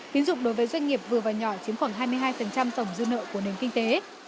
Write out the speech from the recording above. tín dụng đối với doanh nghiệp vừa và nhỏ chiếm khoảng hai mươi hai tổng dư nợ của nền kinh tế